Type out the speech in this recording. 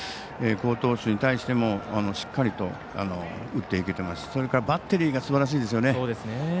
好投手に対してもしっかりと打っていけてますしそれからバッテリーがすばらしいですよね。